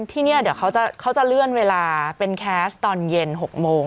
ที่นี่เดี๋ยวเขาจะเลื่อนเวลาเป็นแคสต์ตอนเย็น๖โมง